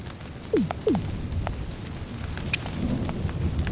うん。